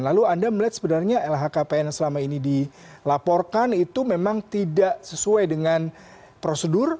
lalu anda melihat sebenarnya lhkpn yang selama ini dilaporkan itu memang tidak sesuai dengan prosedur